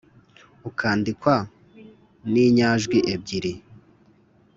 ukandikwa ni nyajwi ebyiri.